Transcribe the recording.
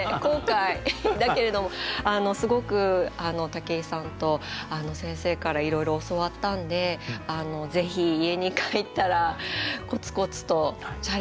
だけれどもすごく武井さんと先生からいろいろ教わったんでぜひ家に帰ったらコツコツとチャレンジまた続けたいと思います。